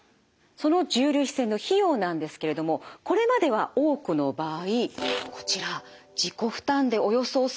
その重粒子線の費用なんですけれどもこれまでは多くの場合こちら自己負担でおよそ３００万円かかりました。